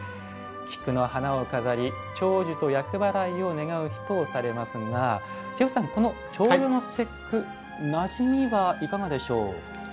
菊の花を飾り、長寿と厄払いを願う日とされますがジェフさん、重陽の節句なじみが、いかがでしょう？